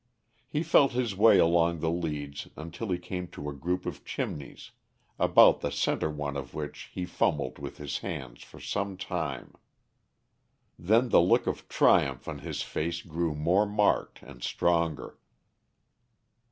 He felt his way along the leads until he came to a group of chimneys, about the center one of which he fumbled with his hands for some time. Then the look of triumph on his face grew more marked and stronger.